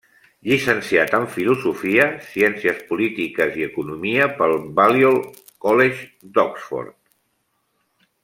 Llicenciat en Filosofia, Ciències Polítiques i Economia pel Balliol College d'Oxford.